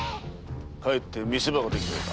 かえって見せ場ができたようだ。